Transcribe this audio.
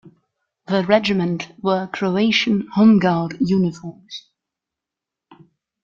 The regiment wore Croatian Home Guard uniforms.